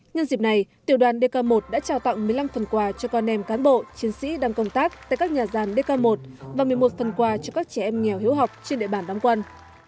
nhân dịp này tiểu đoàn dk một đã trao tặng một mươi năm phần quà cho con em cán bộ chiến sĩ đang công tác tại các nhà gian dk một và một mươi một phần quà cho các trẻ em nghèo hiếu học trên địa bàn đóng quân